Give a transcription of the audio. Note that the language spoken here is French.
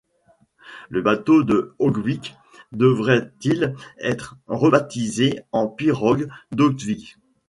Le Bateau de Haugvik devrait-il être rebaptisé en pirogue d'Haugvik?